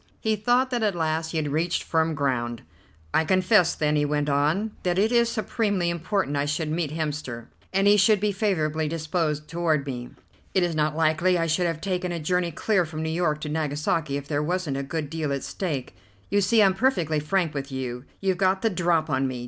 He thought that at last he had reached firm ground. "I confess, then," he went on, "that it is supremely important I should meet Hemster, and he should be favourably disposed toward me. It is not likely I should have taken a journey clear from New York to Nagasaki if there wasn't a good deal at stake. You see, I'm perfectly frank with you. You've got the drop on me.